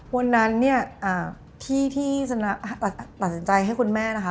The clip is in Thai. วันนั้นเนี่ยที่ที่ชนะตัดสินใจให้คุณแม่นะคะ